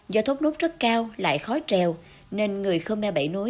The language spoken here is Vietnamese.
do thốt nốt rất cao lại khó trèo nên người khơ me bảy núi không thể làm việc trên đọt cây